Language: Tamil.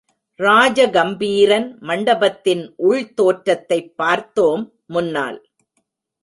ராஜ கம்பீரன் மண்டபத்தின் உள் தோற்றத்தைப் பார்த்தோம் முன்னால்.